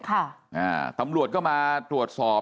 ค่ะอ่าตำรวจก็มาตรวจสอบ